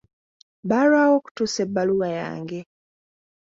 Baalwawo okutuusa ebbaluwa yange.